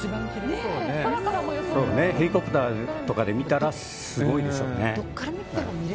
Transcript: ヘリコプターとかで見たらすごいでしょうね。